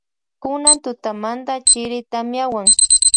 Kunan tutamanta chiri tamiawan.